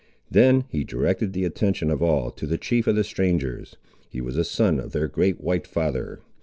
Then he directed the attention of all to the chief of the strangers. He was a son of their great white father.